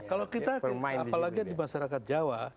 kalau kita apalagi di masyarakat jawa